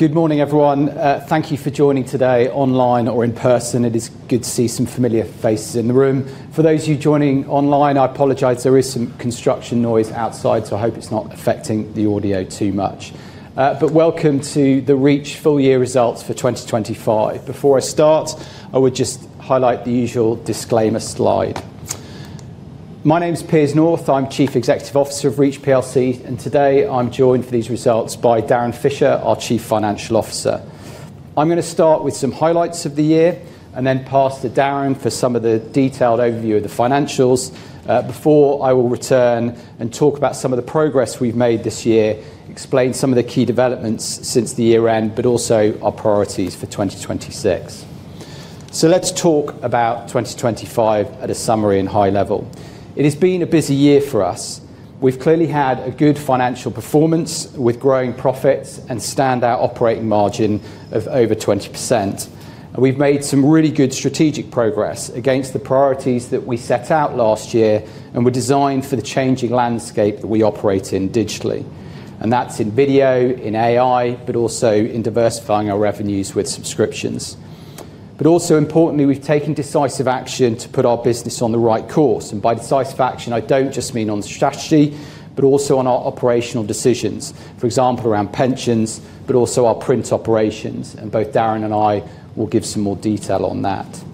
Good morning, everyone. Thank you for joining today online or in person. It is good to see some familiar faces in the room. For those of you joining online, I apologize, there is some construction noise outside, so I hope it's not affecting the audio too much. Welcome to the Reach full year results for 2025. Before I start, I would just highlight the usual disclaimer slide. My name is Piers North, I'm Chief Executive Officer of Reach PLC, and today I'm joined for these results by Darren Fisher, our Chief Financial Officer. I'm gonna start with some highlights of the year and then pass to Darren for some of the detailed overview of the financials, before I will return and talk about some of the progress we've made this year, explain some of the key developments since the year-end, but also our priorities for 2026. Let's talk about 2025 at a summary and high level. It has been a busy year for us. We've clearly had a good financial performance with growing profits and standout operating margin of over 20%. We've made some really good strategic progress against the priorities that we set out last year and were designed for the changing landscape that we operate in digitally. That's in video, in AI, but also in diversifying our revenues with subscriptions. Importantly, we've taken decisive action to put our business on the right course. By decisive action, I don't just mean on strategy, but also on our operational decisions. For example, around pensions, but also our print operations, and both Darren and I will give some more detail on that.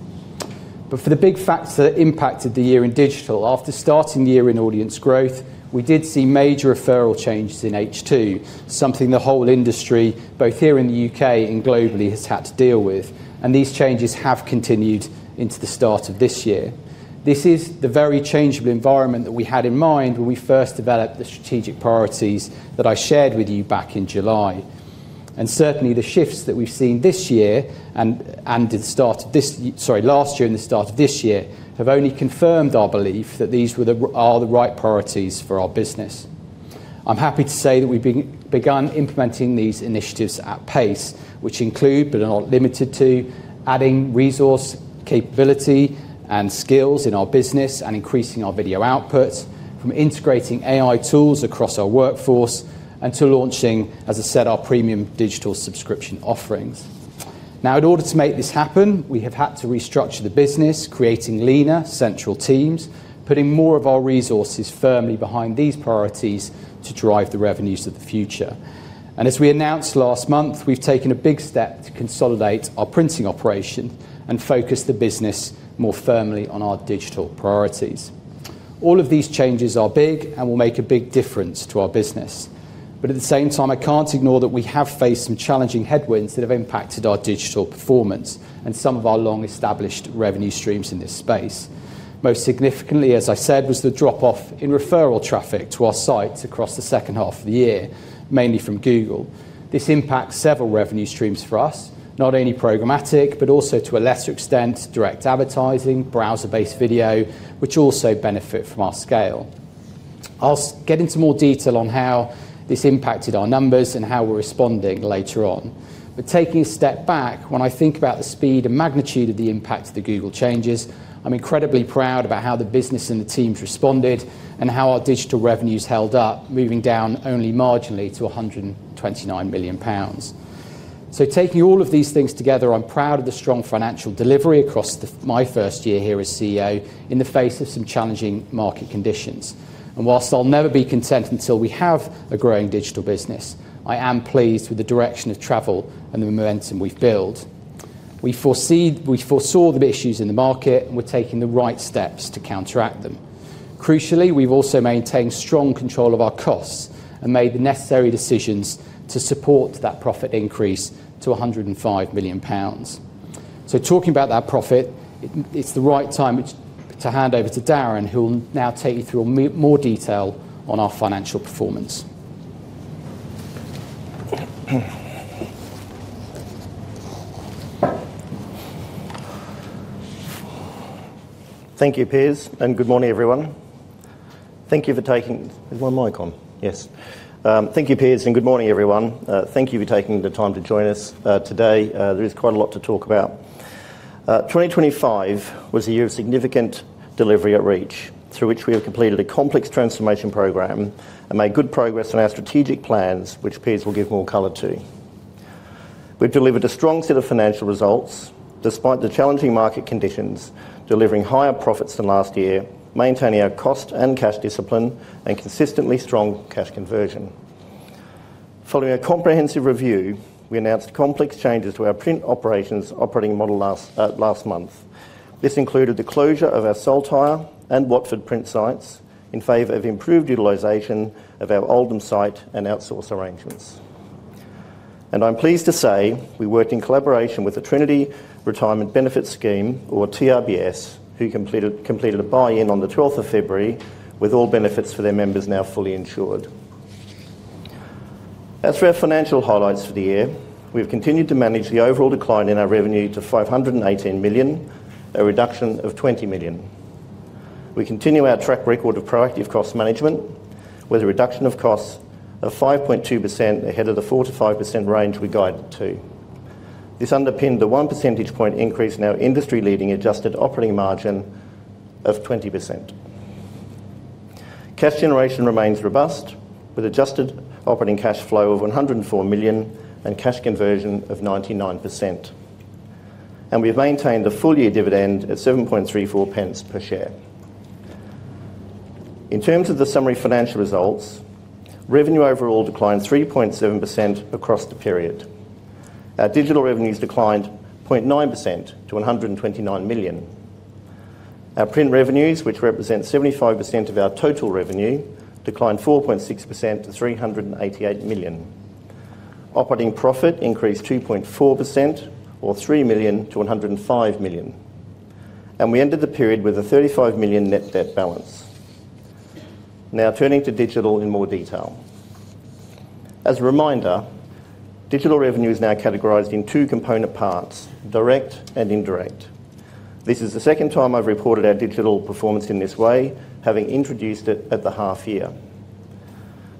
For the big facts that impacted the year in digital, after starting the year in audience growth, we did see major referral changes in H2, something the whole industry, both here in the U.K. and globally, has had to deal with, and these changes have continued into the start of this year. This is the very changeable environment that we had in mind when we first developed the strategic priorities that I shared with you back in July. Certainly, the shifts that we've seen this year and the start of last year and the start of this year, have only confirmed our belief that these are the right priorities for our business. I'm happy to say that we've begun implementing these initiatives at pace, which include, but are not limited to, adding resource, capability, and skills in our business and increasing our video output, from integrating AI tools across our workforce, and to launching, as I said, our premium digital subscription offerings. In order to make this happen, we have had to restructure the business, creating leaner central teams, putting more of our resources firmly behind these priorities to drive the revenues of the future. As we announced last month, we've taken a big step to consolidate our printing operation and focus the business more firmly on our digital priorities. All of these changes are big and will make a big difference to our business. At the same time, I can't ignore that we have faced some challenging headwinds that have impacted our digital performance and some of our long-established revenue streams in this space. Most significantly, as I said, was the drop-off in referral traffic to our sites across the second half of the year, mainly from Google. This impacts several revenue streams for us, not only programmatic, but also to a lesser extent, direct advertising, browser-based video, which also benefit from our scale. I'll get into more detail on how this impacted our numbers and how we're responding later on. Taking a step back, when I think about the speed and magnitude of the impact of the Google changes, I'm incredibly proud about how the business and the teams responded and how our digital revenues held up, moving down only marginally to 129 million pounds. Taking all of these things together, I'm proud of the strong financial delivery across my first year here as CEO in the face of some challenging market conditions. Whilst I'll never be content until we have a growing digital business, I am pleased with the direction of travel and the momentum we've built. We foresaw the issues in the market, and we're taking the right steps to counteract them. Crucially, we've also maintained strong control of our costs and made the necessary decisions to support that profit increase to 105 million pounds. Talking about that profit, it's the right time to hand over to Darren, who will now take you through more detail on our financial performance. Thank you, Piers, and good morning, everyone. Thank you for taking the time to join us today. There is quite a lot to talk about. 2025 was a year of significant delivery at Reach, through which we have completed a complex transformation program and made good progress on our strategic plans, which Piers will give more color to. We've delivered a strong set of financial results despite the challenging market conditions, delivering higher profits than last year, maintaining our cost and cash discipline, and consistently strong cash conversion. Following a comprehensive review, we announced complex changes to our print operations operating model last month. This included the closure of our Saltire and Watford print sites in favor of improved utilization of our Oldham site and outsource arrangements. I'm pleased to say, we worked in collaboration with the Trinity Retirement Benefit Scheme, or TRBS, who completed a buy-in on the 12th of February, with all benefits for their members now fully insured. For our financial highlights for the year, we've continued to manage the overall decline in our revenue to 518 million, a reduction of 20 million. We continue our track record of proactive cost management, with a reduction of costs of 5.2% ahead of the 4%-5% range we guided to. This underpinned the 1 percentage point increase in our industry-leading adjusted operating margin of 20%. Cash generation remains robust, with adjusted operating cash flow of 104 million and cash conversion of 99%. We have maintained a full year dividend at 7.34 pence per share. In terms of the summary financial results, revenue overall declined 3.7% across the period. Our digital revenues declined 0.9% to 129 million. Our print revenues, which represent 75% of our total revenue, declined 4.6% to 388 million. Operating profit increased 2.4% or 3 million to 105 million. We ended the period with a 35 million net debt balance. Now turning to digital in more detail. As a reminder, digital revenue is now categorized in two component parts, direct and indirect. This is the second time I've reported our digital performance in this way, having introduced it at the half year.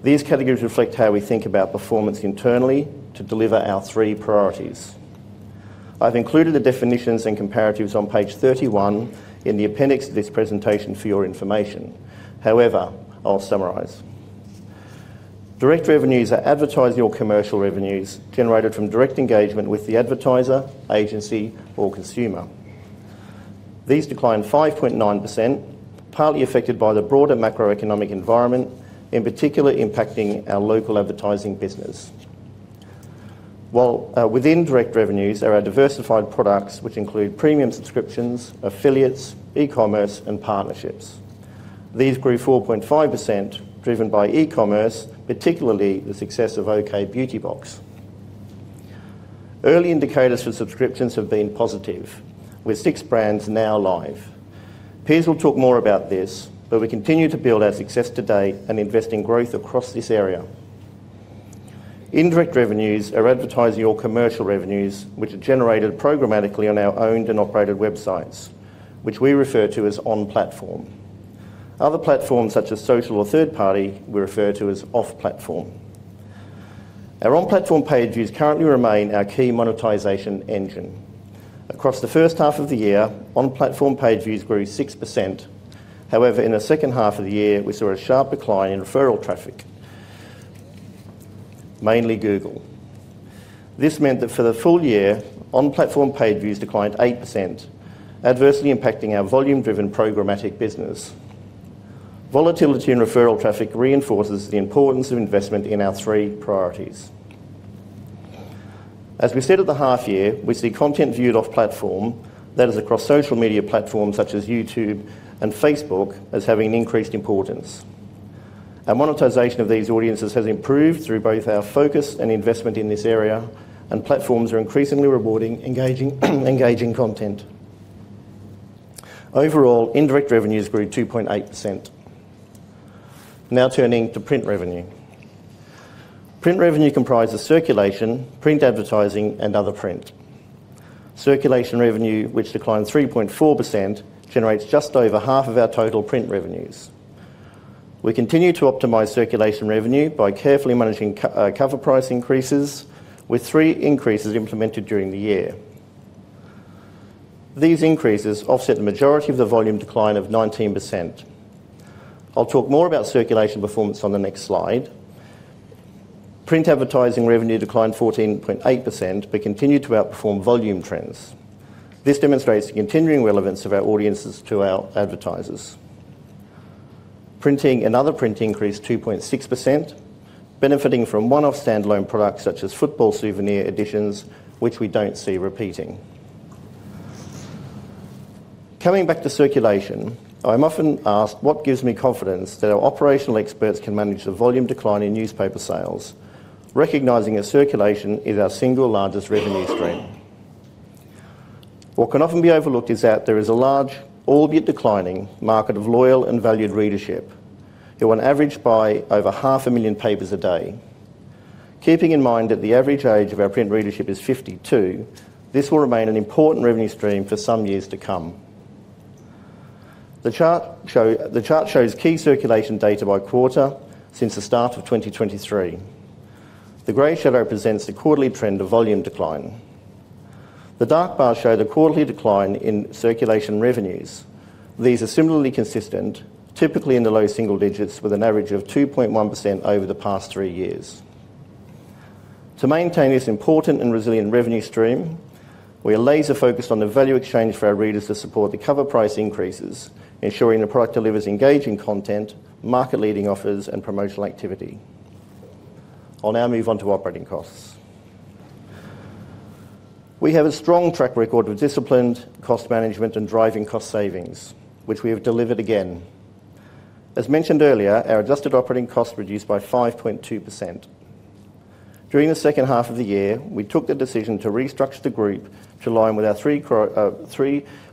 These categories reflect how we think about performance internally to deliver our three priorities. I've included the definitions and comparatives on page 31 in the appendix to this presentation for your information. I'll summarize. Direct revenues are advertising or commercial revenues generated from direct engagement with the advertiser, agency, or consumer. These declined 5.9%, partly affected by the broader macroeconomic environment, in particular impacting our local advertising business. Within direct revenues are our diversified products, which include premium subscriptions, affiliates, e-commerce, and partnerships. These grew 4.5%, driven by e-commerce, particularly the success of OK! Beauty Box. Early indicators for subscriptions have been positive, with six brands now live. Piers will talk more about this, we continue to build our success to date and invest in growth across this area. Indirect revenues are advertising or commercial revenues which are generated programmatically on our owned and operated websites, which we refer to as on-platform. Other platforms, such as social or third party, we refer to as off-platform. Our on-platform page views currently remain our key monetization engine. Across the first half of the year, on-platform page views grew 6%. In the second half of the year, we saw a sharp decline in referral traffic, mainly Google. This meant that for the full year, on-platform page views declined 8%, adversely impacting our volume-driven programmatic business. Volatility in referral traffic reinforces the importance of investment in our three priorities. As we said at the half year, we see content viewed off-platform, that is across social media platforms such as YouTube and Facebook, as having increased importance. Our monetization of these audiences has improved through both our focus and investment in this area, and platforms are increasingly rewarding engaging content. Overall, indirect revenues grew 2.8%. Turning to print revenue. Print revenue comprises circulation, print advertising, and other print. Circulation revenue, which declined 3.4%, generates just over half of our total print revenues. We continue to optimize circulation revenue by carefully managing cover price increases, with 3 increases implemented during the year. These increases offset the majority of the volume decline of 19%. I'll talk more about circulation performance on the next slide. Print advertising revenue declined 14.8% but continued to outperform volume trends. This demonstrates the continuing relevance of our audiences to our advertisers. Printing and other print increased 2.6%, benefiting from one-off standalone products such as football souvenir editions, which we don't see repeating. Coming back to circulation, I'm often asked what gives me confidence that our operational experts can manage the volume decline in newspaper sales, recognizing that circulation is our single largest revenue stream. What can often be overlooked is that there is a large, albeit declining, market of loyal and valued readership, who on average buy over half a million papers a day. Keeping in mind that the average age of our print readership is 52, this will remain an important revenue stream for some years to come. The chart shows key circulation data by quarter since the start of 2023. The gray shadow represents the quarterly trend of volume decline. The dark bars show the quarterly decline in circulation revenues. These are similarly consistent, typically in the low single digits, with an average of 2.1% over the past three years. To maintain this important and resilient revenue stream, we are laser focused on the value exchange for our readers to support the cover price increases, ensuring the product delivers engaging content, market-leading offers, and promotional activity. I'll now move on to operating costs. We have a strong track record with disciplined cost management and driving cost savings, which we have delivered again. As mentioned earlier, our adjusted operating costs reduced by 5.2%. During the second half of the year, we took the decision to restructure the group to align with our three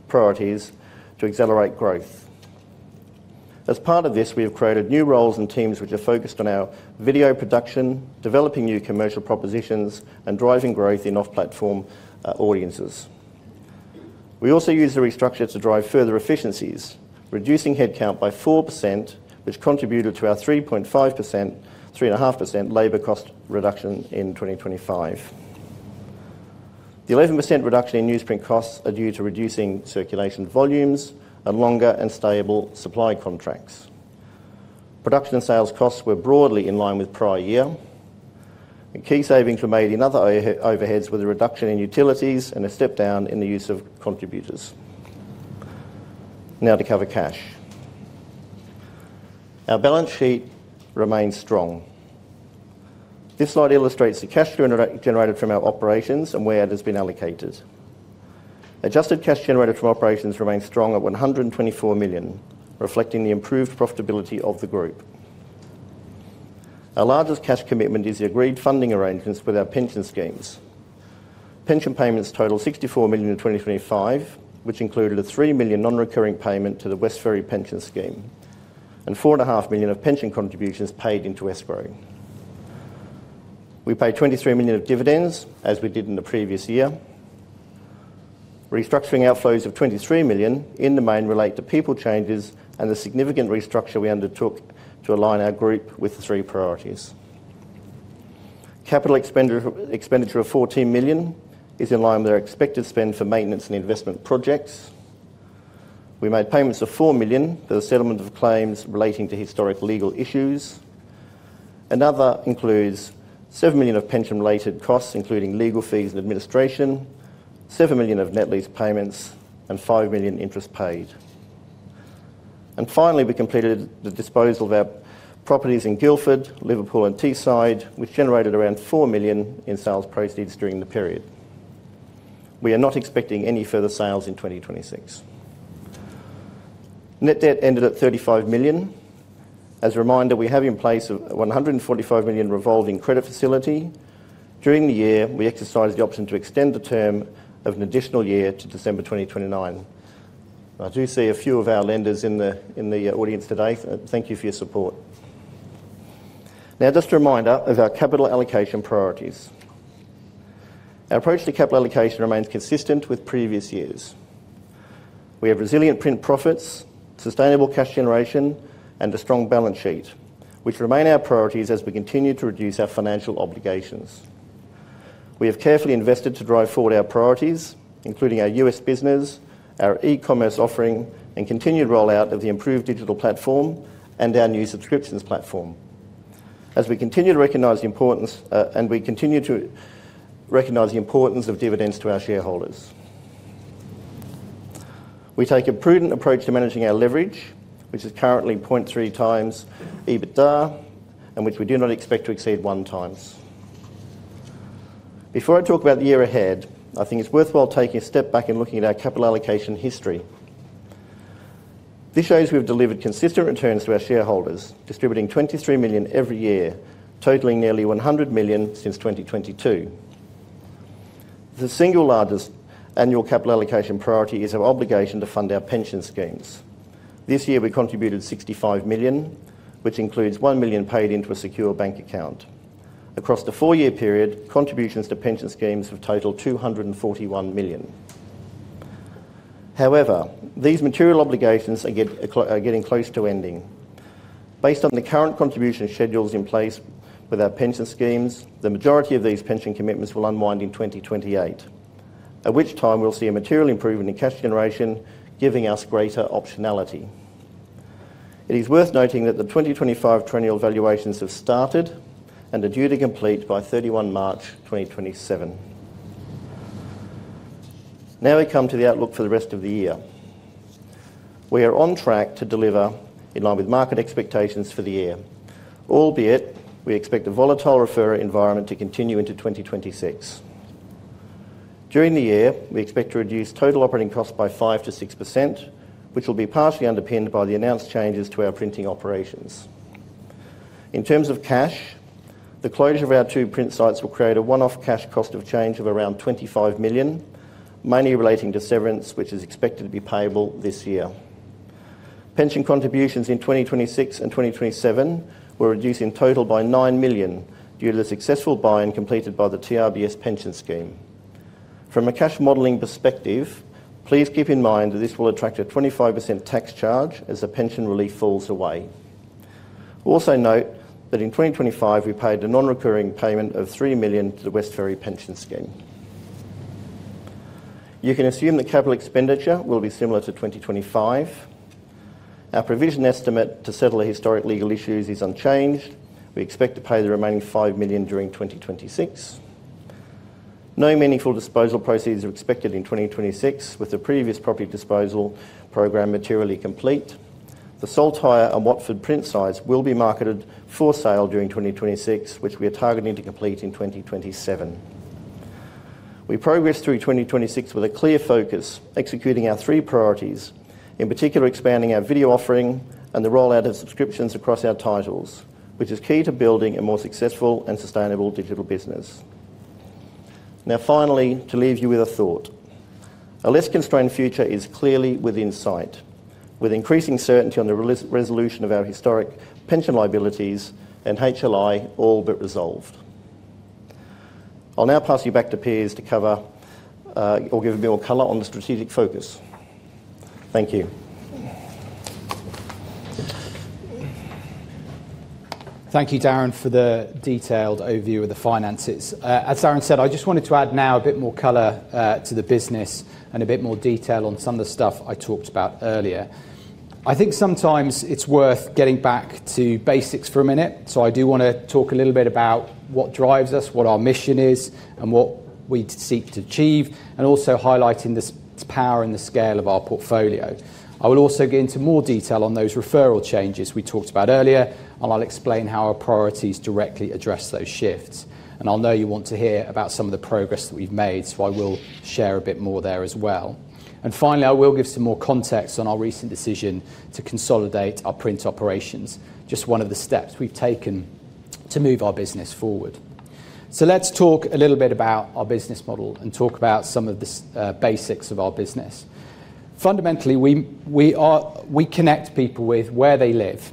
priorities to accelerate growth. As part of this, we have created new roles and teams which are focused on our video production, developing new commercial propositions, and driving growth in off-platform audiences. We also used the restructure to drive further efficiencies, reducing headcount by 4%, which contributed to our 3.5%, 3.5% labor cost reduction in 2025. The 11% reduction in newsprint costs are due to reducing circulation volumes and longer and stable supply contracts. Production and sales costs were broadly in line with prior year. Key savings were made in other overheads with a reduction in utilities and a step down in the use of contributors. To cover cash. Our balance sheet remains strong. This slide illustrates the cash flow generated from our operations and where it has been allocated. Adjusted cash generated from operations remains strong at 124 million, reflecting the improved profitability of the group. Our largest cash commitment is the agreed funding arrangements with our pension schemes. Pension payments total 64 million in 2025, which included a 3 million non-recurring payment to the West Ferry Pension Scheme and four and a half million of pension contributions paid into West Ferry. We paid 23 million of dividends, as we did in the previous year. Restructuring outflows of 23 million in the main relate to people changes and the significant restructure we undertook to align our group with the three priorities. Capital expenditure of 14 million is in line with our expected spend for maintenance and investment projects. We made payments of 4 million for the settlement of claims relating to historic legal issues. Another includes 7 million of pension-related costs, including legal fees and administration, 7 million of net lease payments and 5 million interest paid. Finally, we completed the disposal of our properties in Guildford, Liverpool and Teesside, which generated around 4 million in sales proceeds during the period. We are not expecting any further sales in 2026. Net debt ended at 35 million. As a reminder, we have in place a 145 million revolving credit facility. During the year, we exercised the option to extend the term of an additional year to December 2029. I do see a few of our lenders in the audience today. Thank you for your support. Just a reminder of our capital allocation priorities. Our approach to capital allocation remains consistent with previous years. We have resilient print profits, sustainable cash generation and a strong balance sheet, which remain our priorities as we continue to reduce our financial obligations. We have carefully invested to drive forward our priorities, including our U.S. business, our e-commerce offering and continued rollout of the improved digital platform and our new subscriptions platform. We continue to recognize the importance of dividends to our shareholders. We take a prudent approach to managing our leverage, which is currently 0.3 times EBITDA, and which we do not expect to exceed 1 time. Before I talk about the year ahead, I think it's worthwhile taking a step back and looking at our capital allocation history. This shows we have delivered consistent returns to our shareholders, distributing 23 million every year, totaling nearly 100 million since 2022. The single largest annual capital allocation priority is our obligation to fund our pension schemes. This year we contributed 65 million, which includes 1 million paid into a secure bank account. Across the four-year period, contributions to pension schemes have totaled 241 million. These material obligations are getting close to ending. Based on the current contribution schedules in place with our pension schemes, the majority of these pension commitments will unwind in 2028, at which time we'll see a material improvement in cash generation giving us greater optionality. It is worth noting that the 2025 triennial valuations have started and are due to complete by thirty-one March 2027. We come to the outlook for the rest of the year. We are on track to deliver in line with market expectations for the year. Albeit we expect a volatile referral environment to continue into 2026. During the year, we expect to reduce total operating costs by 5%-6%, which will be partially underpinned by the announced changes to our printing operations. In terms of cash, the closure of our two print sites will create a one-off cash cost of change of around 25 million, mainly relating to severance which is expected to be payable this year. Pension contributions in 2026 and 2027 will reduce in total by 9 million due to the successful buy-in completed by the TRBS pension scheme. From a cash modeling perspective, please keep in mind that this will attract a 25% tax charge as the pension relief falls away. Note that in 2025 we paid a non-recurring payment of 3 million to the West Ferry Pension Scheme. You can assume the capital expenditure will be similar to 2025. Our provision estimate to settle the historic legal issues is unchanged. We expect to pay the remaining 5 million during 2026. No meaningful disposal proceeds are expected in 2026 with the previous property disposal program materially complete. The Saltire and Watford print sites will be marketed for sale during 2026, which we are targeting to complete in 2027. We progress through 2026 with a clear focus executing our three priorities, in particular expanding our video offering and the rollout of subscriptions across our titles, which is key to building a more successful and sustainable digital business. Finally, to leave you with a thought. A less constrained future is clearly within sight, with increasing certainty on the resolution of our historic pension liabilities and HLI all but resolved. I'll now pass you back to Piers to cover, or give a bit more color on the strategic focus. Thank you. Thank you, Darren, for the detailed overview of the finances. As Darren said, I just wanted to add now a bit more color to the business and a bit more detail on some of the stuff I talked about earlier. I think sometimes it's worth getting back to basics for a minute. I do wanna talk a little bit about what drives us, what our mission is, and what we seek to achieve, and also highlighting power and the scale of our portfolio. I will also get into more detail on those referral changes we talked about earlier, and I'll explain how our priorities directly address those shifts. I know you want to hear about some of the progress that we've made, so I will share a bit more there as well. Finally, I will give some more context on our recent decision to consolidate our print operations. Just one of the steps we've taken to move our business forward. Let's talk a little bit about our business model and talk about some of the basics of our business. Fundamentally, we connect people with where they live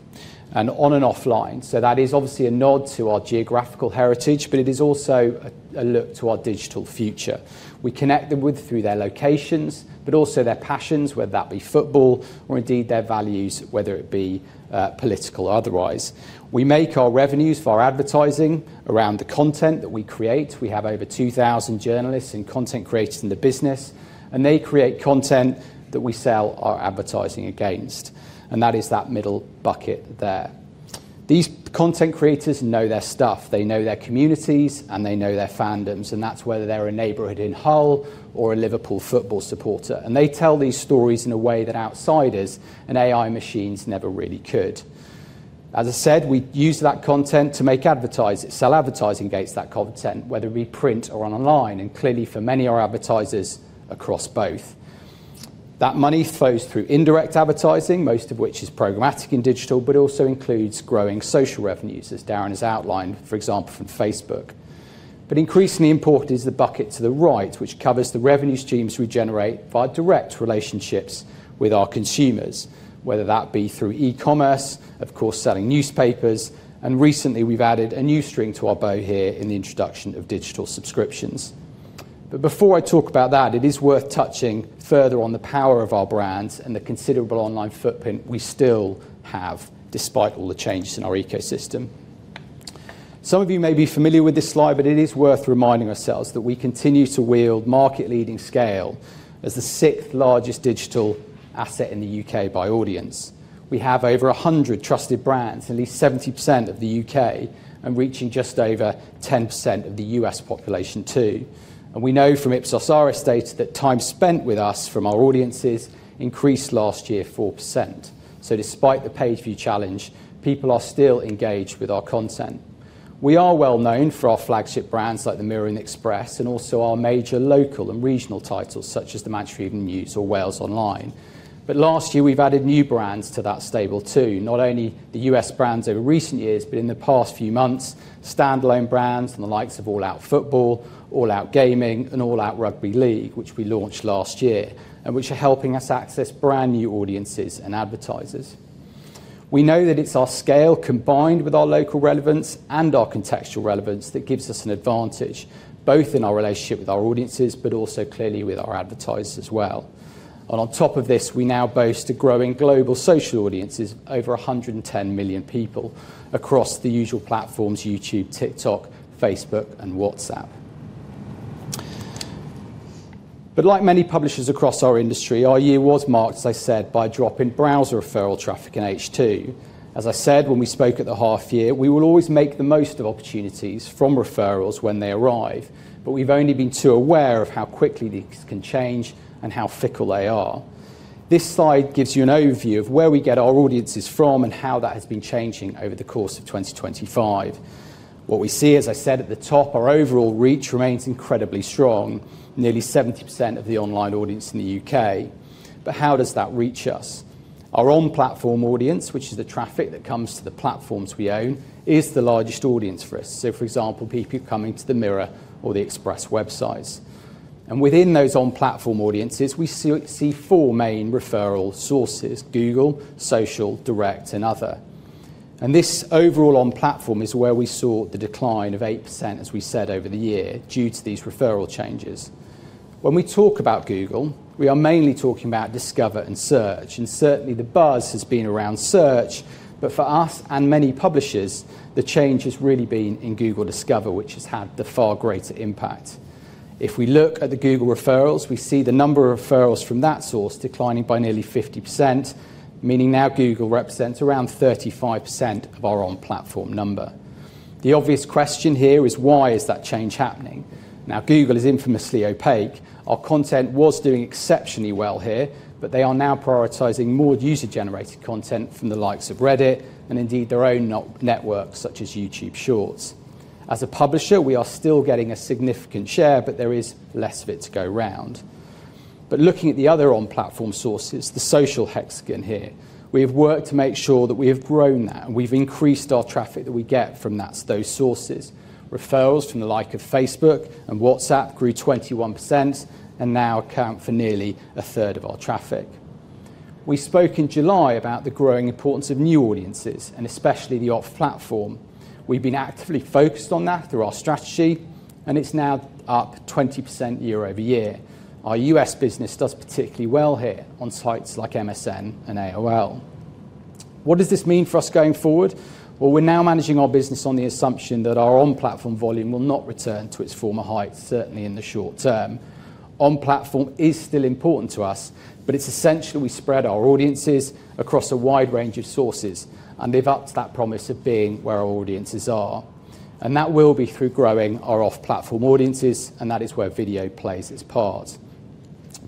and on and offline. That is obviously a nod to our geographical heritage, but it is also a look to our digital future. We connect them through their locations, but also their passions, whether that be football or indeed their values, whether it be political or otherwise. We make our revenues for our advertising around the content that we create. We have over 2,000 journalists and content creators in the business, and they create content that we sell our advertising against, and that is that middle bucket there. These content creators know their stuff. They know their communities, and they know their fandoms, and that's whether they're a neighborhood in Hull or a Liverpool football supporter. They tell these stories in a way that outsiders and AI machines never really could. As I said, we use that content to sell advertising against that content, whether it be print or on online, and clearly for many, our advertisers across both. That money flows through indirect advertising, most of which is programmatic and digital, but it also includes growing social revenues, as Darren has outlined, for example, from Facebook. Increasingly important is the bucket to the right, which covers the revenue streams we generate via direct relationships with our consumers, whether that be through e-commerce, of course, selling newspapers, and recently, we've added a new string to our bow here in the introduction of digital subscriptions. Before I talk about that, it is worth touching further on the power of our brands and the considerable online footprint we still have despite all the changes in our ecosystem. Some of you may be familiar with this slide, but it is worth reminding ourselves that we continue to wield market-leading scale as the 6th-largest digital asset in the U.K. by audience. We have over 100 trusted brands, at least 70% of the U.K., and reaching just over 10% of the U.S. population too. We know from Ipsos iris data that time spent with us from our audiences increased last year 4%. Despite the pay-per-view challenge, people are still engaged with our content. We are well known for our flagship brands like the Mirror and Express, and also our major local and regional titles such as the Manchester Evening News or WalesOnline. Last year, we've added new brands to that stable too. Not only the U.S. brands over recent years, but in the past few months, standalone brands from the likes of All Out Football, All Out Gaming and All Out Rugby League, which we launched last year, and which are helping us access brand-new audiences and advertisers. We know that it's our scale combined with our local relevance and our contextual relevance that gives us an advantage, both in our relationship with our audiences, but also clearly with our advertisers as well. On top of this, we now boast a growing global social audiences of over 110 million people across the usual platforms, YouTube, TikTok, Facebook and WhatsApp. Like many publishers across our industry, our year was marked, as I said, by a drop in browser referral traffic in H2. As I said when we spoke at the half year, we will always make the most of opportunities from referrals when they arrive, but we've only been too aware of how quickly these can change and how fickle they are. This slide gives you an overview of where we get our audiences from and how that has been changing over the course of 2025. What we see, as I said at the top, our overall reach remains incredibly strong. Nearly 70% of the online audience in the U.K. How does that reach us? Our on-platform audience, which is the traffic that comes to the platforms we own, is the largest audience for us. So for example, people coming to the Mirror or The Express websites. Within those on-platform audiences, we see four main referral sources: Google, social, direct and other. This overall on-platform is where we saw the decline of 8%, as we said, over the year due to these referral changes. When we talk about Google, we are mainly talking about Discover and Search, and certainly, the buzz has been around Search. For us and many publishers, the change has really been in Google Discover, which has had the far greater impact. If we look at the Google referrals, we see the number of referrals from that source declining by nearly 50%, meaning now Google represents around 35% of our on-platform number. The obvious question here is why is that change happening? Google is infamously opaque. Our content was doing exceptionally well here, but they are now prioritizing more user-generated content from the likes of Reddit and indeed their own net-networks such as YouTube Shorts. As a publisher, we are still getting a significant share, but there is less of it to go around. Looking at the other on-platform sources, the social hexagon here, we have worked to make sure that we have grown that and we've increased our traffic that we get from those sources. Referrals from the like of Facebook and WhatsApp grew 21% and now account for nearly a third of our traffic. We spoke in July about the growing importance of new audiences and especially the off-platform. We've been actively focused on that through our strategy. It's now up 20% year-over-year. Our U.S. business does particularly well here on sites like MSN and AOL. What does this mean for us going forward? Well, we're now managing our business on the assumption that our on-platform volume will not return to its former heights, certainly in the short term. On-platform is still important to us, but it's essential we spread our audiences across a wide range of sources, and live up to that promise of being where our audiences are. That will be through growing our off-platform audiences, and that is where video plays its part.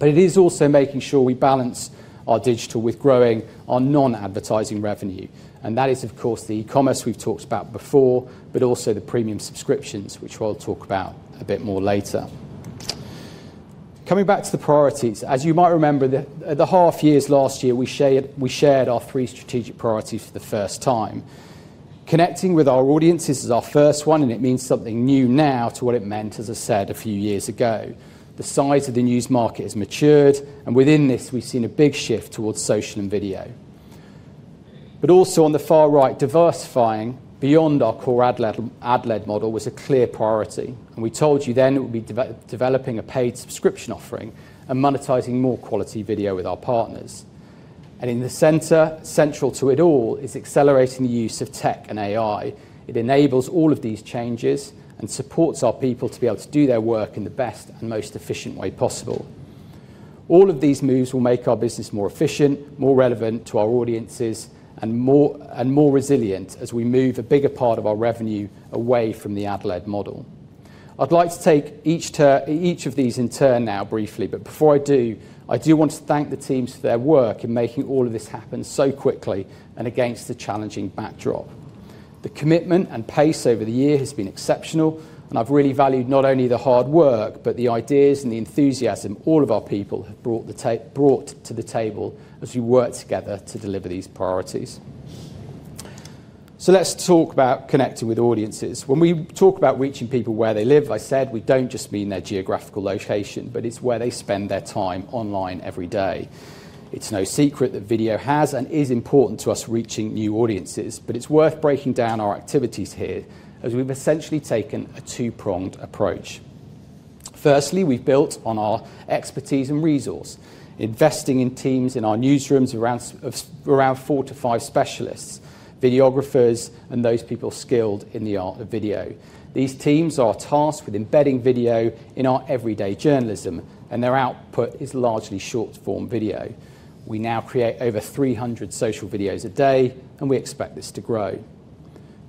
It is also making sure we balance our digital with growing our non-advertising revenue. That is, of course, the e-commerce we've talked about before, but also the premium subscriptions, which I'll talk about a bit more later. Coming back to the priorities, as you might remember the half years last year, we shared our three strategic priorities for the first time. Connecting with our audiences is our first one, and it means something new now to what it meant, as I said, a few years ago. The size of the news market has matured, and within this, we've seen a big shift towards social and video. Also on the far right, diversifying beyond our core ad-led model was a clear priority. We told you then it would be developing a paid subscription offering and monetizing more quality video with our partners. In the center, central to it all, is accelerating the use of tech and AI. It enables all of these changes and supports our people to be able to do their work in the best and most efficient way possible. All of these moves will make our business more efficient, more relevant to our audiences, and more resilient as we move a bigger part of our revenue away from the ad-led model. I'd like to take each of these in turn now briefly, but before I do, I do want to thank the teams for their work in making all of this happen so quickly and against a challenging backdrop. The commitment and pace over the year has been exceptional, and I've really valued not only the hard work, but the ideas and the enthusiasm all of our people have brought to. brought to the table as we work together to deliver these priorities. Let's talk about connecting with audiences. When we talk about reaching people where they live, I said we don't just mean their geographical location, but it's where they spend their time online every day. It's no secret that video has and is important to us reaching new audiences, but it's worth breaking down our activities here as we've essentially taken a two-pronged approach. Firstly, we've built on our expertise and resource, investing in teams in our newsrooms around four to five specialists, videographers, and those people skilled in the art of video. These teams are tasked with embedding video in our everyday journalism, and their output is largely short-form video. We now create over 300 social videos a day, and we expect this to grow.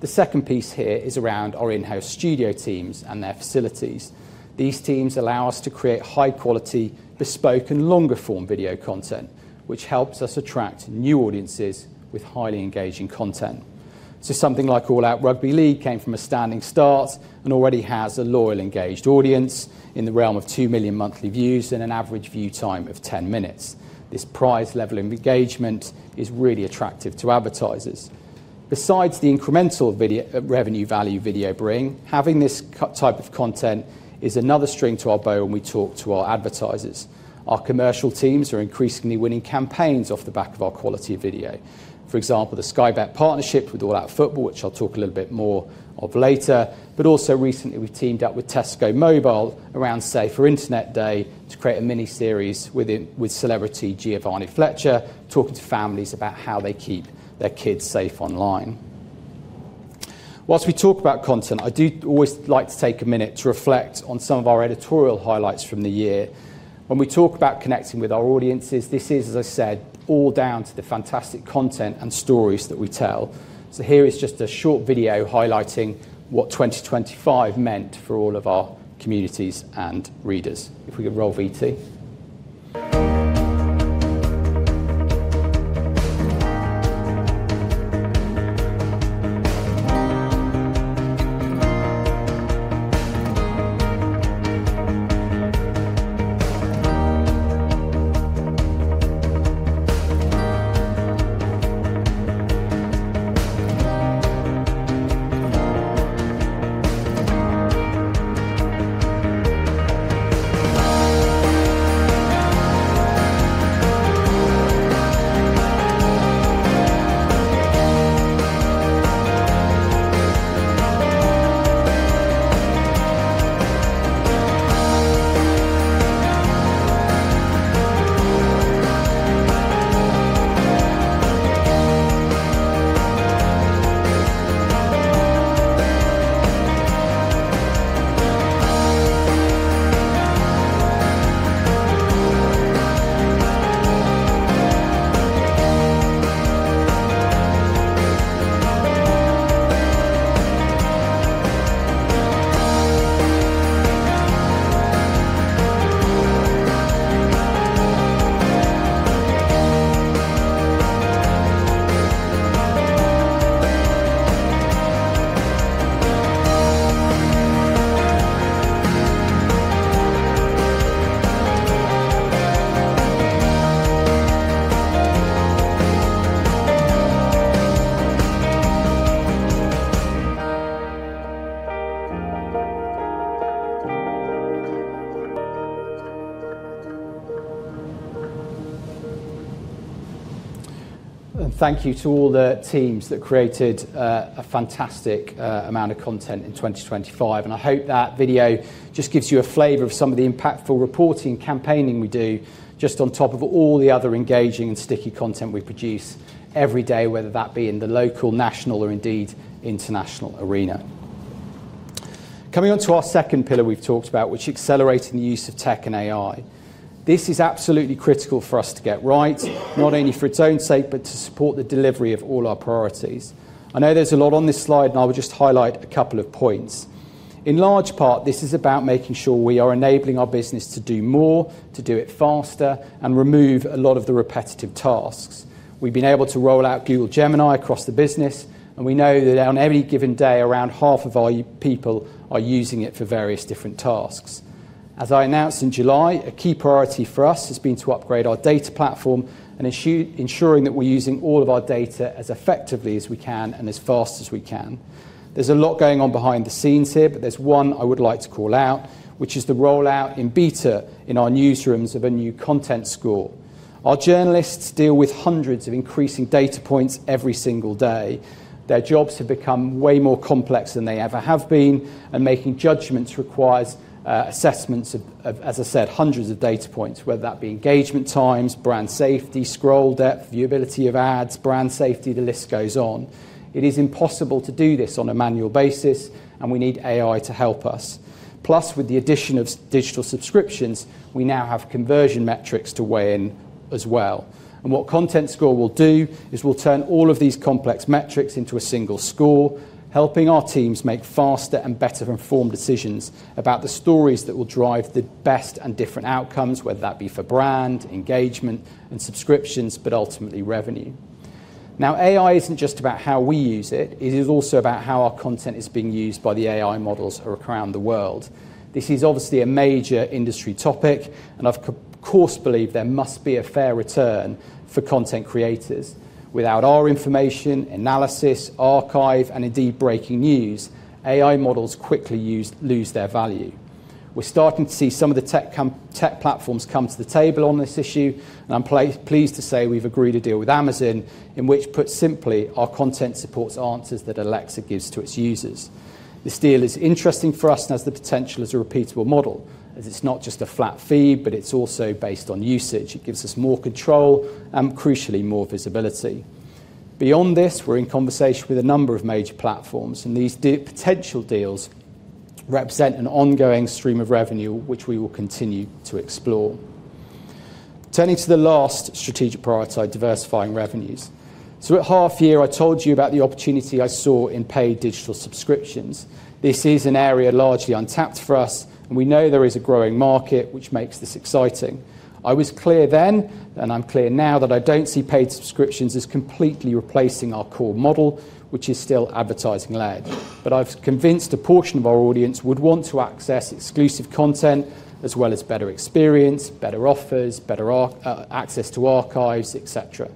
The second piece here is around our in-house studio teams and their facilities. These teams allow us to create high-quality, bespoke, and longer-form video content, which helps us attract new audiences with highly engaging content. Something like All Out Rugby League came from a standing start and already has a loyal, engaged audience in the realm of 2 million monthly views and an average view time of 10 minutes. This prize level of engagement is really attractive to advertisers. Besides the incremental video revenue value video bring, having this type of content is another string to our bow when we talk to our advertisers. Our commercial teams are increasingly winning campaigns off the back of our quality video. For example, the Sky Bet partnership with All Out Football, which I'll talk a little bit more of later. Also recently, we've teamed up with Tesco Mobile around Safer Internet Day to create a miniseries with celebrity Giovanna Fletcher talking to families about how they keep their kids safe online. Whilst we talk about content, I do always like to take a minute to reflect on some of our editorial highlights from the year. When we talk about connecting with our audiences, this is, as I said, all down to the fantastic content and stories that we tell. Here is just a short video highlighting what 2025 meant for all of our communities and readers. If we could roll VT. Thank you to all the teams that created a fantastic amount of content in 2025. I hope that video just gives you a flavor of some of the impactful reporting campaigning we do just on top of all the other engaging and sticky content we produce every day, whether that be in the local, national, or indeed international arena. Coming on to our second pillar we've talked about, which is accelerating the use of tech and AI. This is absolutely critical for us to get right, not only for its own sake, but to support the delivery of all our priorities. I know there's a lot on this slide, and I would just highlight a couple of points. In large part, this is about making sure we are enabling our business to do more, to do it faster, and remove a lot of the repetitive tasks. We've been able to roll out Google Gemini across the business, and we know that on any given day, around half of our people are using it for various different tasks. As I announced in July, a key priority for us has been to upgrade our data platform and ensuring that we're using all of our data as effectively as we can and as fast as we can. There's a lot going on behind the scenes here, but there's one I would like to call out, which is the rollout in beta in our newsrooms of a new content score. Our journalists deal with hundreds of increasing data points every single day. Their jobs have become way more complex than they ever have been, and making judgments requires assessments of, as I said, hundreds of data points, whether that be engagement times, brand safety, scroll depth, viewability of ads, brand safety, the list goes on. It is impossible to do this on a manual basis, and we need AI to help us. Plus, with the addition of digital subscriptions, we now have conversion metrics to weigh in as well. What content score will do is we'll turn all of these complex metrics into a single score, helping our teams make faster and better-informed decisions about the stories that will drive the best and different outcomes, whether that be for brand, engagement, and subscriptions, but ultimately revenue. AI isn't just about how we use it. It is also about how our content is being used by the AI models around the world. This is obviously a major industry topic, and I of course, believe there must be a fair return for content creators. Without our information, analysis, archive, and indeed, breaking news, AI models quickly lose their value. We're starting to see some of the tech platforms come to the table on this issue, and I'm pleased to say we've agreed a deal with Amazon in which, put simply, our content supports answers that Alexa gives to its users. This deal is interesting for us and has the potential as a repeatable model, as it's not just a flat fee, but it's also based on usage. It gives us more control and, crucially, more visibility. Beyond this, we're in conversation with a number of major platforms. These potential deals represent an ongoing stream of revenue, which we will continue to explore. At half year, I told you about the opportunity I saw in paid digital subscriptions. This is an area largely untapped for us. We know there is a growing market which makes this exciting. I was clear then. I'm clear now that I don't see paid subscriptions as completely replacing our core model, which is still advertising-led. I've convinced a portion of our audience would want to access exclusive content as well as better experience, better offers, better access to archives, et cetera.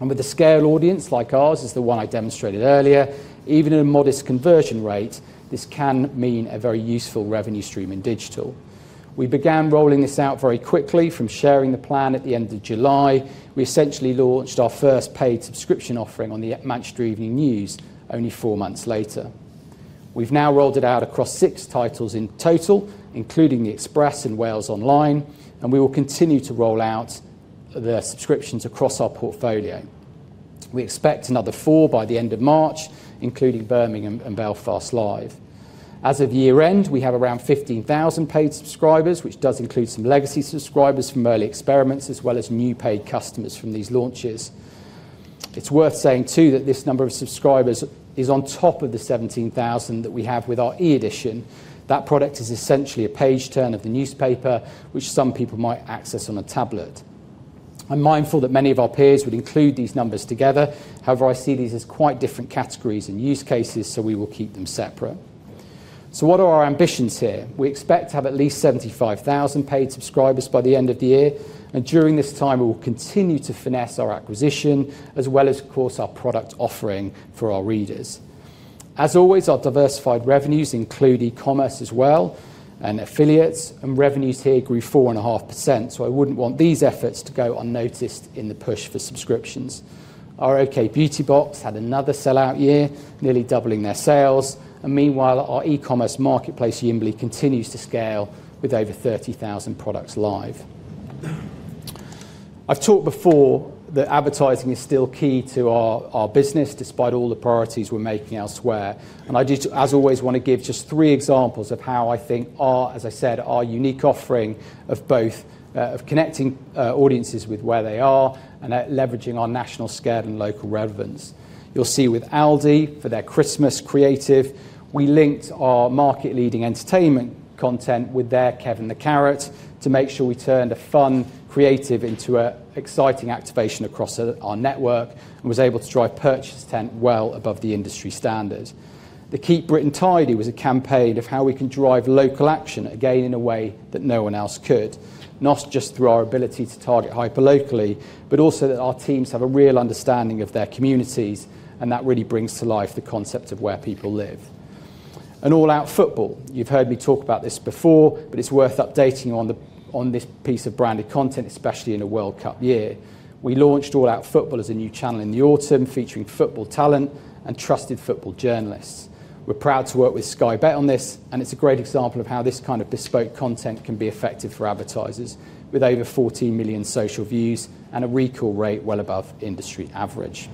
With a scale audience like ours, as the one I demonstrated earlier, even in a modest conversion rate, this can mean a very useful revenue stream in digital. We began rolling this out very quickly. From sharing the plan at the end of July, we essentially launched our first paid subscription offering on the Manchester Evening News only four months later. We've now rolled it out across six titles in total, including the Express and WalesOnline, and we will continue to roll out the subscriptions across our portfolio. We expect another four by the end of March, including Birmingham and Belfast Live. As of year-end, we have around 15,000 paid subscribers, which does include some legacy subscribers from early experiments, as well as new paid customers from these launches. It's worth saying, too, that this number of subscribers is on top of the 17,000 that we have with our e-edition. That product is essentially a page turn of the newspaper, which some people might access on a tablet. I'm mindful that many of our peers would include these numbers together. However, I see these as quite different categories and use cases, so we will keep them separate. What are our ambitions here? We expect to have at least 75,000 paid subscribers by the end of the year, and during this time, we will continue to finesse our acquisition, as well as, of course, our product offering for our readers. As always, our diversified revenues include e-commerce as well, and affiliates, and revenues here grew 4.5%, so I wouldn't want these efforts to go unnoticed in the push for subscriptions. Our OK! Beauty Box had another sell-out year, nearly doubling their sales. Meanwhile, our e-commerce marketplace, Yimbly, continues to scale with over 30,000 products live. I've talked before that advertising is still key to our business despite all the priorities we're making elsewhere. I do, as always, want to give just 3 examples of how I think our, as I said, our unique offering of both of connecting audiences with where they are and leveraging our national scale and local relevance. You'll see with Aldi for their Christmas creative, we linked our market-leading entertainment content with their Kevin the Carrot to make sure we turned a fun creative into an exciting activation across our network and was able to drive purchase intent well above the industry standard. The Keep Britain Tidy was a campaign of how we can drive local action, again, in a way that no one else could, not just through our ability to target hyperlocally, but also that our teams have a real understanding of their communities, and that really brings to life the concept of where people live. All Out Football. You've heard me talk about this before, but it's worth updating you on this piece of branded content, especially in a World Cup year. We launched All Out Football as a new channel in the autumn, featuring football talent and trusted football journalists. We're proud to work with Sky Bet on this, and it's a great example of how this kind of bespoke content can be effective for advertisers. With over 14 million social views and a recall rate well above industry average.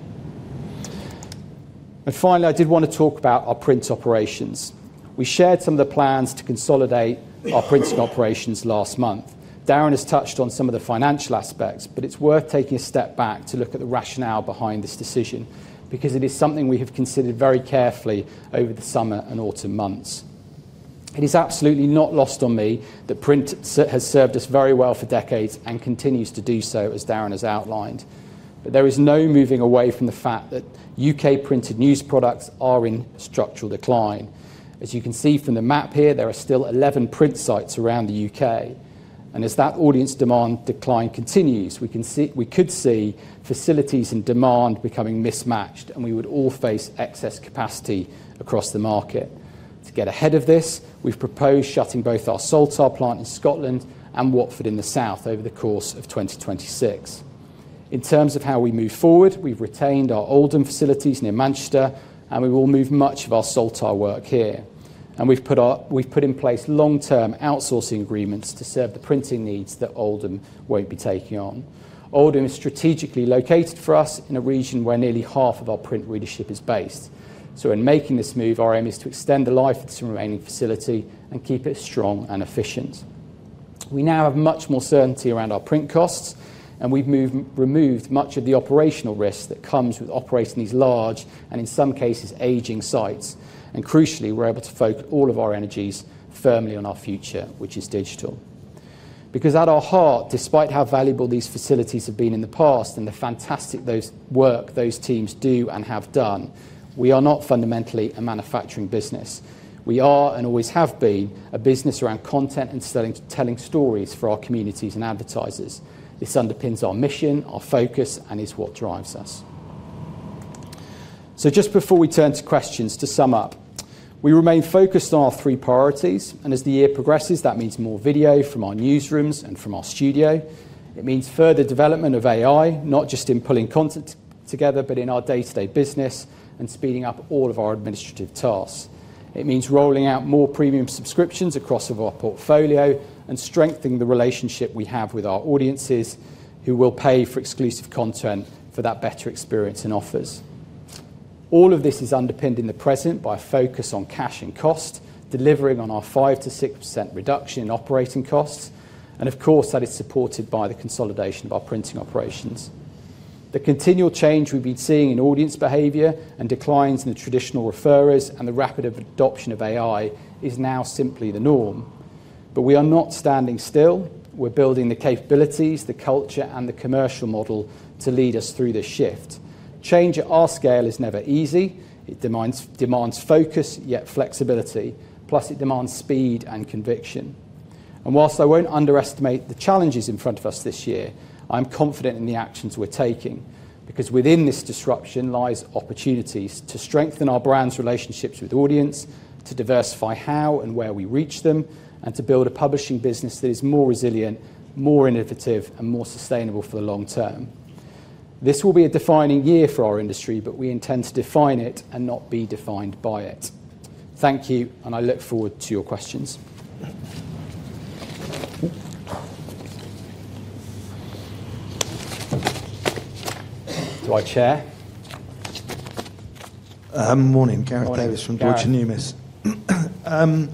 Finally, I did wanna talk about our print operations. We shared some of the plans to consolidate our printing operations last month. Darren has touched on some of the financial aspects, it's worth taking a step back to look at the rationale behind this decision because it is something we have considered very carefully over the summer and autumn months. It is absolutely not lost on me that print has served us very well for decades and continues to do so, as Darren has outlined. There is no moving away from the fact that U.K. printed news products are in structural decline. As you can see from the map here, there are still 11 print sites around the U.K., and as that audience demand decline continues, we could see facilities and demand becoming mismatched, and we would all face excess capacity across the market. To get ahead of this, we've proposed shutting both our Saltire plant in Scotland and Watford in the South over the course of 2026. In terms of how we move forward, we've retained our Oldham facilities near Manchester, and we will move much of our Saltire work here. We've put in place long-term outsourcing agreements to serve the printing needs that Oldham won't be taking on. Oldham is strategically located for us in a region where nearly half of our print readership is based. In making this move, our aim is to extend the life of this remaining facility and keep it strong and efficient. We now have much more certainty around our print costs, and we've removed much of the operational risk that comes with operating these large, and in some cases, aging sites. Crucially, we're able to focus all of our energies firmly on our future, which is digital. At our heart, despite how valuable these facilities have been in the past and the fantastic those work those teams do and have done, we are not fundamentally a manufacturing business. We are, and always have been, a business around content and telling stories for our communities and advertisers. This underpins our mission, our focus, and is what drives us. Just before we turn to questions, to sum up, we remain focused on our three priorities, and as the year progresses, that means more video from our newsrooms and from our studio. It means further development of AI, not just in pulling content together, but in our day-to-day business and speeding up all of our administrative tasks. It means rolling out more premium subscriptions across of our portfolio and strengthening the relationship we have with our audiences who will pay for exclusive content for that better experience and offers. All of this is underpinned in the present by a focus on cash and cost, delivering on our 5% to 6% reduction in operating costs, and of course, that is supported by the consolidation of our printing operations. The continual change we've been seeing in audience behavior and declines in the traditional referrers and the rapid of adoption of AI is now simply the norm. We are not standing still. We're building the capabilities, the culture, and the commercial model to lead us through this shift. Change at our scale is never easy. It demands focus, yet flexibility. It demands speed and conviction. Whilst I won't underestimate the challenges in front of us this year, I'm confident in the actions we're taking because within this disruption lies opportunities to strengthen our brand's relationships with audience, to diversify how and where we reach them, and to build a publishing business that is more resilient, more innovative, and more sustainable for the long term. This will be a defining year for our industry. We intend to define it and not be defined by it. Thank you, and I look forward to your questions. Do I chair? Morning. Gareth Davies from Deutsche Numis. Morning.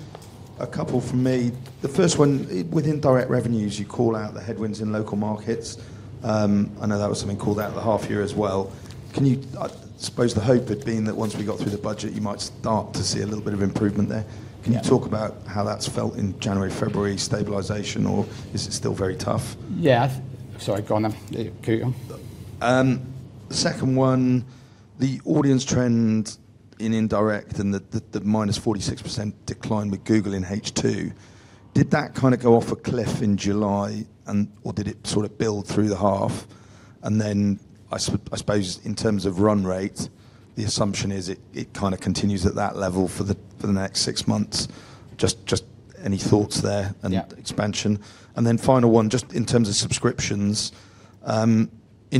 A couple from me. The first one, within direct revenues, you call out the headwinds in local markets. I know that was something called out at the half year as well. I suppose the hope had been that once we got through the budget, you might start to see a little bit of improvement there. Yeah. Can you talk about how that's felt in January, February, stabilization, or is it still very tough? Yeah. Sorry, go on then. Yeah, carry on. Second one, the audience trend in indirect and the minus 46% decline with Google in H2, did that kinda go off a cliff in July or did it sort of build through the half? I suppose in terms of run rate, the assumption is it kinda continues at that level for the next 6 months. Just any thoughts there- Yeah -and expansion? Final one, just in terms of subscriptions,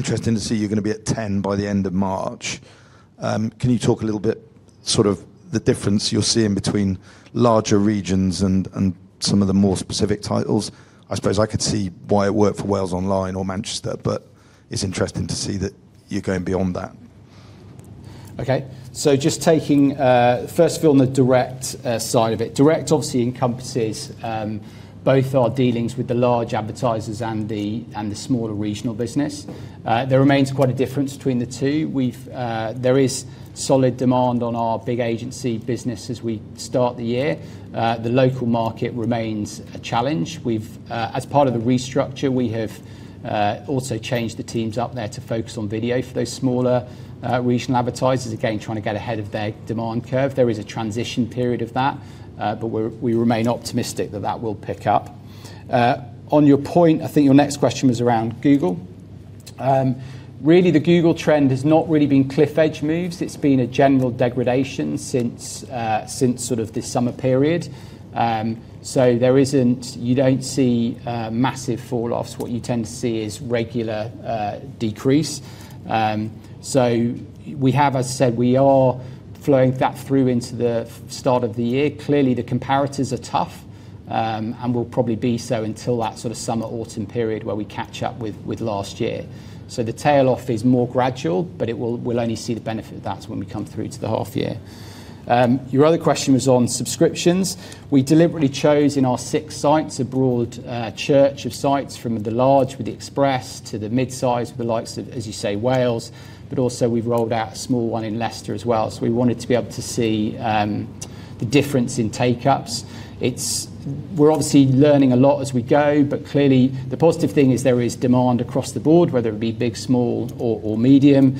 interesting to see you're gonna be at 10 by the end of March. Can you talk a little bit sort of the difference you're seeing between larger regions and some of the more specific titles? I suppose I could see why it worked for WalesOnline or Manchester, but it's interesting to see that you're going beyond that. Okay. Just taking, first of all, on the direct side of it. Direct obviously encompasses both our dealings with the large advertisers and the smaller regional business. There remains quite a difference between the two. There is solid demand on our big agency business as we start the year. The local market remains a challenge. As part of the restructure, we have also changed the teams up there to focus on video for those smaller regional advertisers, again, trying to get ahead of their demand curve. There is a transition period of that, but we're, we remain optimistic that that will pick up. On your point, I think your next question was around Google. Really the Google trend has not really been cliff edge moves. It's been a general degradation since sort of the summer period. There isn't... You don't see massive falloffs. What you tend to see is regular decrease. As I said, we are flowing that through into the start of the year. Clearly, the comparators are tough, and will probably be so until that sort of summer, autumn period where we catch up with last year. The tail off is more gradual, but we'll only see the benefit of that when we come through to the half year. Your other question was on subscriptions. We deliberately chose in our six sites a broad church of sites from the large with the Express to the midsize with the likes of, as you say, Wales, but also we've rolled out a small one in Leicester as well. We wanted to be able to see the difference in take-ups. We're obviously learning a lot as we go, but clearly the positive thing is there is demand across the board, whether it be big, small or medium.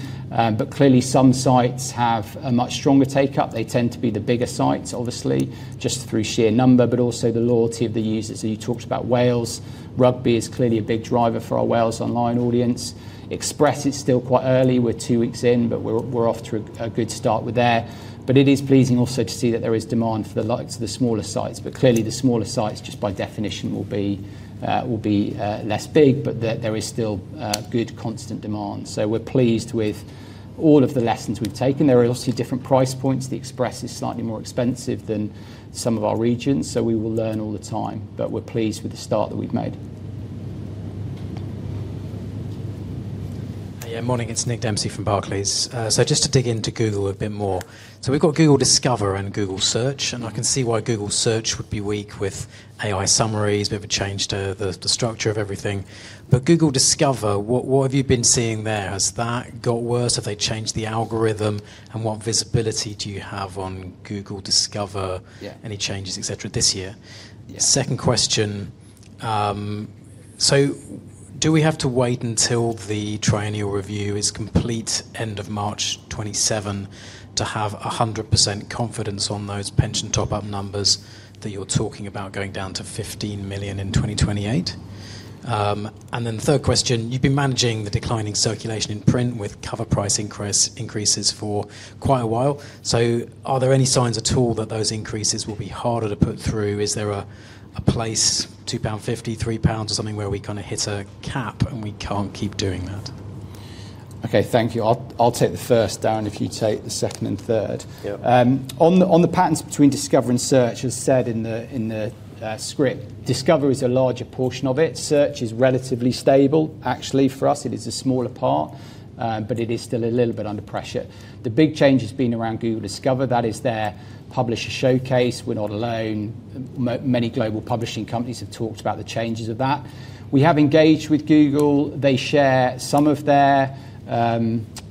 Clearly some sites have a much stronger take-up. They tend to be the bigger sites, obviously, just through sheer number, but also the loyalty of the users. You talked about Wales. Rugby is clearly a big driver for our WalesOnline audience. Express is still quite early. We're two weeks in, but we're off to a good start with there. It is pleasing also to see that there is demand for the likes of the smaller sites. Clearly the smaller sites, just by definition, will be less big, but there is still good constant demand. We're pleased with all of the lessons we've taken. There are obviously different price points. The Express is slightly more expensive than some of our regions. We will learn all the time, but we're pleased with the start that we've made. Yeah. Morning, it's Nick Dempsey from Barclays. Just to dig into Google a bit more. We've got Google Discover and Google Search, and I can see why Google Search would be weak with AI summaries. We have a change to the structure of everything. Google Discover, what have you been seeing there? Has that got worse? Have they changed the algorithm? What visibility do you have on Google Discover? Yeah. Any changes, et cetera this year? Yeah. Second question. Do we have to wait until the triennial review is complete end of March 2027 to have 100% confidence on those pension top-up numbers that you're talking about going down to 15 million in 2028? Third question, you've been managing the declining circulation in print with cover price increases for quite a while. Are there any signs at all that those increases will be harder to put through? Is there a place, 2.50 pound, 3 pounds or something where we kind of hit a cap and we can't keep doing that? Okay, thank you. I'll take the first, Darren, if you take the second and third. Yeah. On the patterns between Discover and Search, as said in the script, Discover is a larger portion of it. Search is relatively stable. Actually, for us, it is a smaller part, but it is still a little bit under pressure. The big change has been around Google Discover. That is their publisher showcase. We're not alone. Many global publishing companies have talked about the changes of that. We have engaged with Google. They share some of their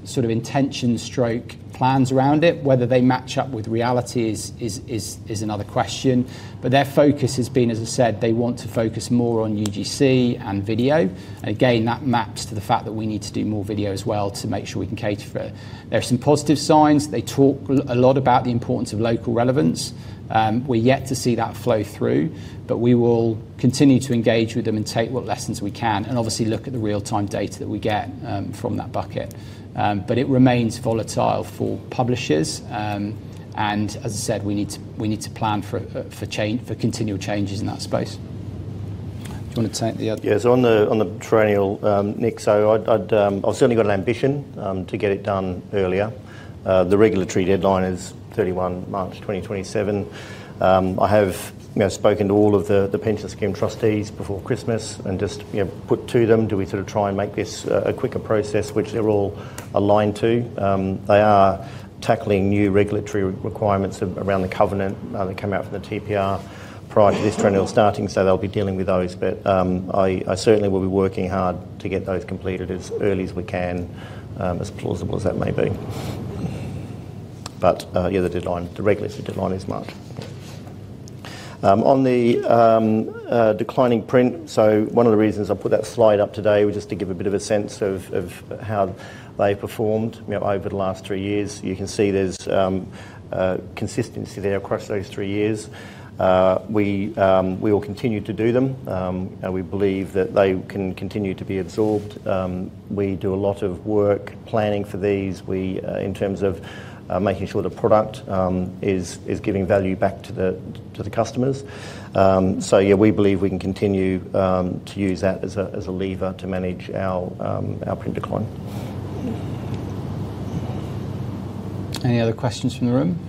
sort of intention stroke plans around it. Whether they match up with reality is another question. Their focus has been, as I said, they want to focus more on UGC and video. Again, that maps to the fact that we need to do more video as well to make sure we can cater for it. There are some positive signs. They talk a lot about the importance of local relevance. We're yet to see that flow through, we will continue to engage with them and take what lessons we can and obviously look at the real-time data that we get from that bucket. It remains volatile for publishers. As I said, we need to plan for change, for continual changes in that space. Do you wanna take the other? Yeah. On the triennial, Nick, I've certainly got an ambition to get it done earlier. The regulatory deadline is 31 March 2027. I have, you know, spoken to all of the pension scheme trustees before Christmas and just, you know, put to them, do we sort of try and make this a quicker process, which they're all aligned to. They are tackling new regulatory requirements around the covenant that come out from the TPR prior to this triennial starting, so they'll be dealing with those. I certainly will be working hard to get those completed as early as we can, as plausible as that may be. Yeah, the deadline, the regulatory deadline is March. On the declining print. One of the reasons I put that slide up today was just to give a bit of a sense of how they performed, you know, over the last three years. You can see there's consistency there across those three years. We will continue to do them, and we believe that they can continue to be absorbed. We do a lot of work planning for these. We in terms of making sure the product is giving value back to the customers. Yeah, we believe we can continue to use that as a lever to manage our print decline. Any other questions from the room?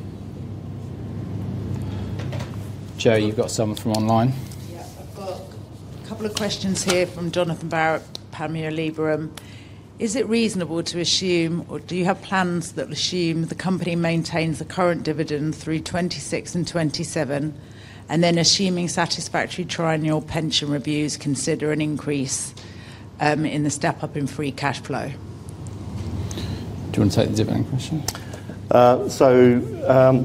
Joe, you've got some from online. I've got a couple of questions here from Jonathan Barrett, Panmure Liberum. Is it reasonable to assume or do you have plans that assume the company maintains the current dividend through 26 and 27, and then assuming satisfactory triennial pension reviews consider an increase in the step-up in free cash flow? Do you want to take the dividend question?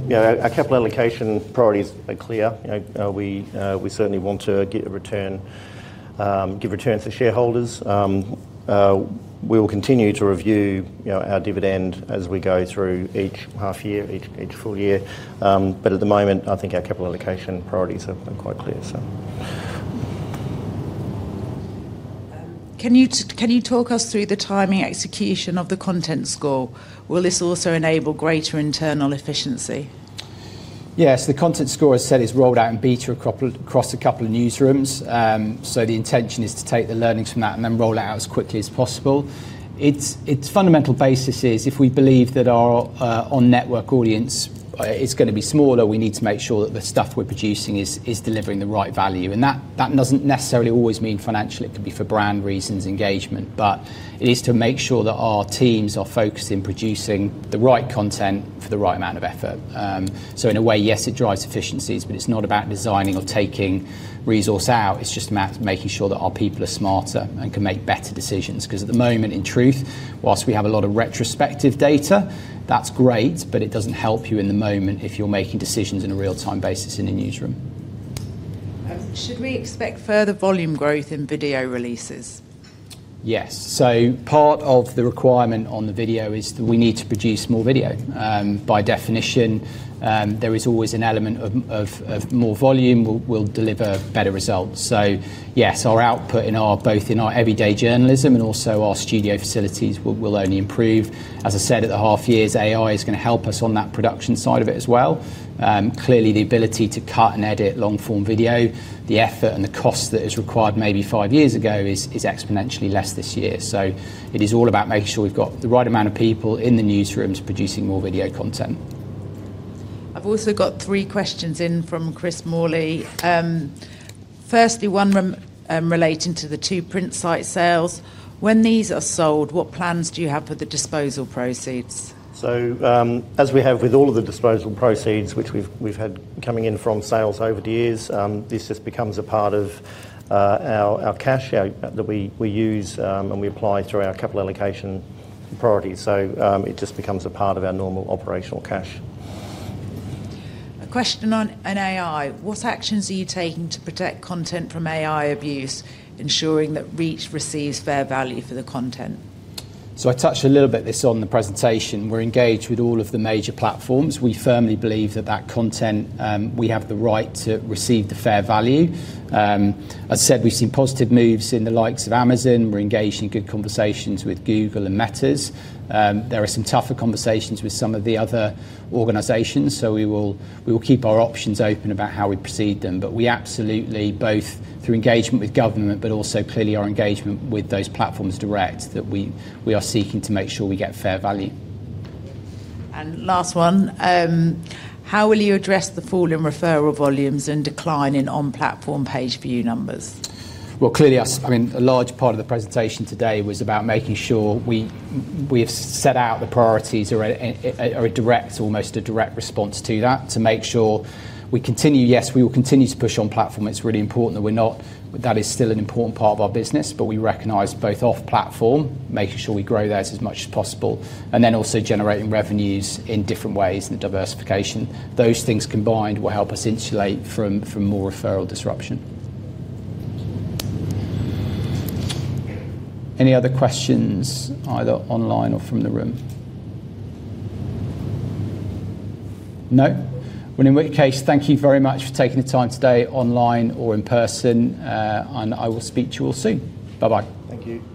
Yeah, our capital allocation priorities are clear. You know, we certainly want to get a return, give returns to shareholders. We will continue to review, you know, our dividend as we go through each half year, each full year. At the moment, I think our capital allocation priorities have been quite clear. Can you talk us through the timing execution of the content score? Will this also enable greater internal efficiency? Yes. The content score, as I said, is rolled out in beta a couple across a couple of newsrooms. The intention is to take the learnings from that and then roll it out as quickly as possible. It's fundamental basis is if we believe that our on network audience is gonna be smaller, we need to make sure that the stuff we're producing is delivering the right value. That doesn't necessarily always mean financially. It could be for brand reasons, engagement. It is to make sure that our teams are focused in producing the right content for the right amount of effort. In a way, yes, it drives efficiencies, but it's not about designing or taking resource out. It's just making sure that our people are smarter and can make better decisions. At the moment, in truth, while we have a lot of retrospective data, that's great, but it doesn't help you in the moment if you're making decisions in a real-time basis in a newsroom. Should we expect further volume growth in video releases? Yes. Part of the requirement on the video is that we need to produce more video. By definition, there is always an element of more volume we'll deliver better results. Yes, our output in our, both in our everyday journalism and also our studio facilities will only improve. As I said at the half years, AI is gonna help us on that production side of it as well. Clearly the ability to cut and edit long form video, the effort and the cost that is required maybe five years ago is exponentially less this year. It is all about making sure we've got the right amount of people in the newsrooms producing more video content. I've also got three questions in from Chris Morley. firstly, one relating to the two print site sales. When these are sold, what plans do you have for the disposal proceeds? As we have with all of the disposal proceeds, which we've had coming in from sales over the years, this just becomes a part of our cash out that we use, and we apply through our capital allocation priorities. It just becomes a part of our normal operational cash. A question on an AI. What actions are you taking to protect content from AI abuse, ensuring that Reach receives fair value for the content? I touched a little bit this on the presentation. We're engaged with all of the major platforms. We firmly believe that content, we have the right to receive the fair value. As I said, we've seen positive moves in the likes of Amazon. We're engaged in good conversations with Google and Meta. There are some tougher conversations with some of the other organizations, we will keep our options open about how we proceed them. We absolutely, both through engagement with government, but also clearly our engagement with those platforms direct, that we are seeking to make sure we get fair value. Last one. How will you address the fall in referral volumes and decline in on-platform page view numbers? Well, clearly, I mean, a large part of the presentation today was about making sure we've set out the priorities, or a direct, almost a direct response to that to make sure we continue. We will continue to push on platform. It's really important that we're not... That is still an important part of our business. We recognize both off-platform, making sure we grow that as much as possible, and then also generating revenues in different ways and the diversification. Those things combined will help us insulate from more referral disruption. Any other questions either online or from the room? No? Well, in which case, thank you very much for taking the time today online or in person. I will speak to you all soon. Bye-bye. Thank you.